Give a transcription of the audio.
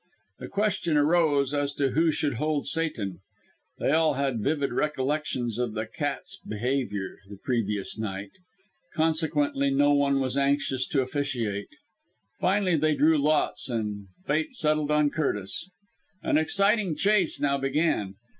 The question arose as to who should hold Satan. They all had vivid recollections of the cat's behaviour the previous night; consequently no one was anxious to officiate. Finally they drew lots, and fate settled on Curtis. An exciting chase now began.